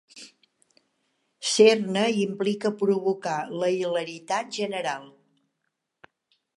Ser-ne implica provocar la hilaritat general.